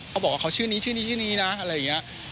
เขาบอกว่าเขาชื่อนี้ชื่อนี้ชื่อนี้นะอะไรอย่างนี้